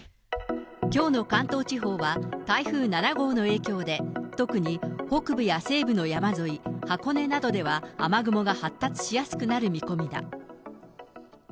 きょうの関東地方は、台風７号の影響で、特に北部や西部の山沿い、箱根などでは雨雲が発達しやすくなる見込みだ。